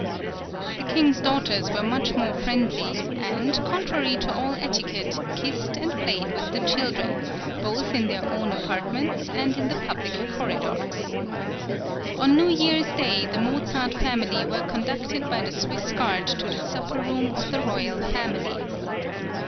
"[20021] The King's daughters were much more friendly, and, contrary to all etiquette, kissed and played with the children, both in their own apartments and in the public corridors. On New Year's Day the Mozart family were conducted by the Swiss guard to the supper room of the royal family.